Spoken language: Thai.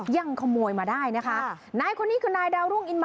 ยังขโมยมาได้นะคะ